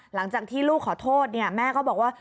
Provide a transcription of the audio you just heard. หลังจากที่ลูกขอโทษเนี่ยแม่ก็บอกว่า